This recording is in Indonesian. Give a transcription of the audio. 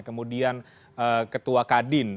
kemudian ketua kadin